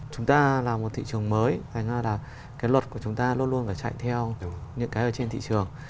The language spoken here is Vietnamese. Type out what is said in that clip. chúng ta là một thị trường mới thành ra là cái luật của chúng ta luôn luôn phải chạy theo những cái ở trên thị trường